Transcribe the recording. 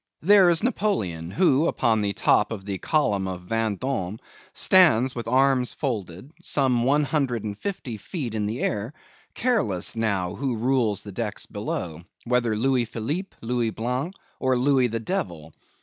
There is Napoleon; who, upon the top of the column of Vendome, stands with arms folded, some one hundred and fifty feet in the air; careless, now, who rules the decks below; whether Louis Philippe, Louis Blanc, or Louis the Devil.